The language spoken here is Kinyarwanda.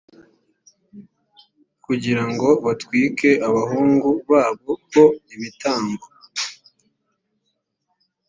kugira ngo batwike abahungu babo ho ibitambo